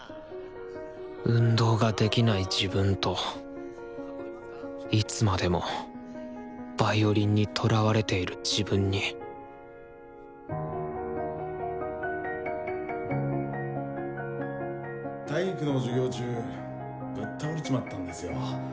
運動ができない自分といつまでもヴァイオリンにとらわれている自分に体育の授業中ぶっ倒れちまったんですよ。